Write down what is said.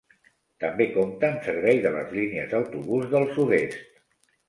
També compta amb servei de les línies d'autobús del sud-est.